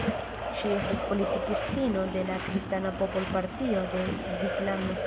Ŝi estas politikistino de la Kristana popol-partio de Svislando.